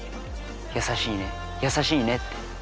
優しいね優しいねって。